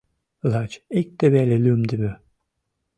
Лач икте веле лӱмдымӧ.